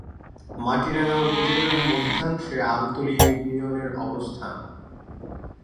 মাটিরাঙ্গা উপজেলার মধ্যাংশে আমতলী ইউনিয়নের অবস্থান।